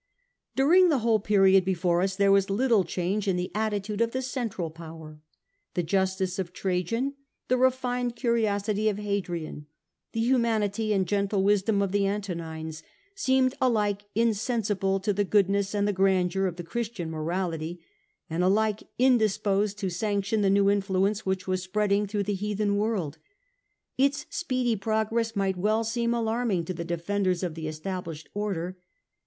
During the whole period before us there was little change in the attitude of the central power. The justice of Trajan, the refined curiosity of Hadrian, the humanity and gentle wisdom of the Antonines, seemed alike insensible to the goodness and the grandeur of the Christian morality, and alike indisposed to sanction the new influence which was spreading through the heathen world. Its speedy progress might well seem alarming to the defenders of the established order.